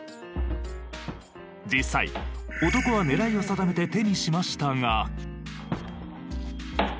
実際男は狙いを定めて手にしましたが。